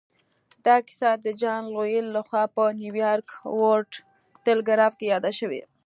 دا کیسه د جان لویل لهخوا په نیویارک ورلډ ټیليګراف کې یاده شوې